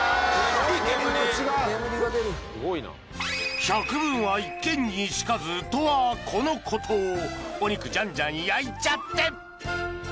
煙が出るすごいな百聞は一見にしかずとはこのことお肉じゃんじゃん焼いちゃって！